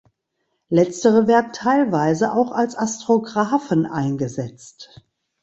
Letztere werden teilweise auch als Astrografen eingesetzt.